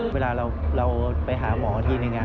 เวลาเราไปหาหมอทีนึง